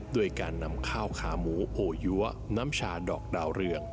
ด้วยการนำข้าวขาหมูโอยั้วน้ำชาดอกดาวเรือง